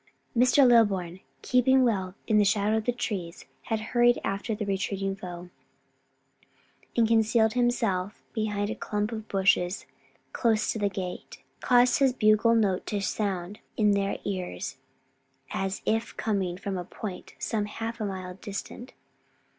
Mr. Lilburn, keeping well in the shadow of the trees, had hurried after the retreating foe, and concealing himself behind a clump of bushes close to the gate, caused his bugle note to sound in their ears as if coming from a point some half a mile distant.